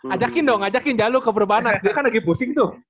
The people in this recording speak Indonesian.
ajakin dong ajakin jalur ke perbanas dia kan lagi pusing tuh